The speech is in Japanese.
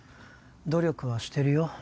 努力はしてるよ